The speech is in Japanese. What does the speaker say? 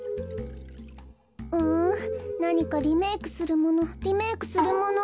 うんなにかリメークするものリメークするもの。